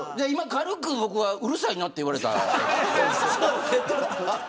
軽く僕はうるさいなって言われた。